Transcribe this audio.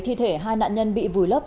thi thể hai nạn nhân bị vùi lấp